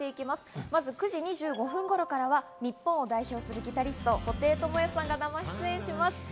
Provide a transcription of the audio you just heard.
まず９時２５分頃からは日本を代表するギタリスト・布袋寅泰さんが生出演します。